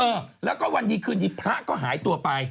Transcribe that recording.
เออแล้วก็วันดีคืนดีพระก็หายตัวไป